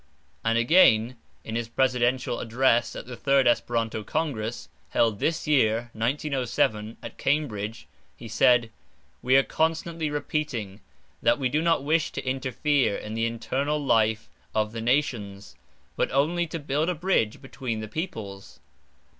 And, again, in his presidential address at the third Esperanto Congress, held this year (1907) at Cambridge, he said, "We are constantly repeating that we do not wish to interfere in the internal life of the nations, but only to build a bridge between the peoples.